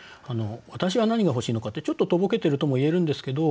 「私は何が欲しいのか」ってちょっととぼけてるとも言えるんですけど